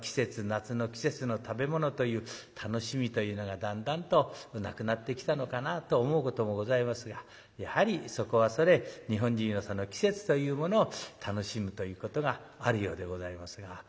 夏の季節の食べ物という楽しみというのがだんだんとなくなってきたのかなあと思うこともございますがやはりそこはそれ日本人はその季節というものを楽しむということがあるようでございますが。